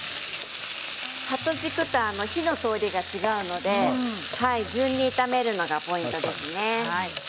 葉と軸と火の通りが違うので順に炒めるのがポイントですね。